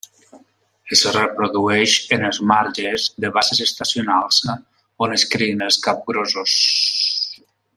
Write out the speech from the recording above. Es reprodueix en els marges de basses estacionals, on es crien els capgrossos.